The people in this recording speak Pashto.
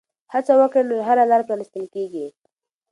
که هڅه وکړې نو هره لاره پرانیستل کېږي.